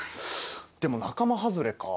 でも仲間はずれか。